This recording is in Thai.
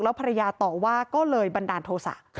ภรรยาต่อว่าก็เลยบันดาลโทษะ